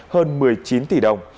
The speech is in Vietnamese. hơn một mươi chín tỷ đồng